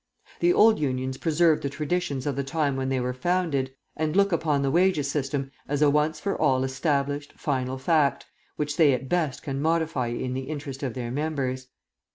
The old Unions preserve the traditions of the time when they were founded, and look upon the wages system as a once for all established, final fact, which they at best can modify in the interest of their members.